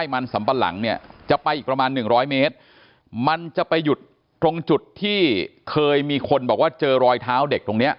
มันจะไปหยุดตรงจุดที่เคยมีคนบอกว่าเจอรอยเท้าเด็กตรงนี้